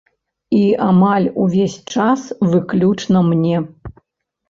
І амаль увесь час выключна мне!